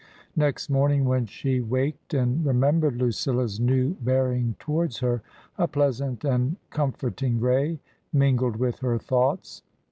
Next morning when she waked and remembered Lu cilla's new bearing towards her, a pleasant and comfort ing ray mingled with her thoughts.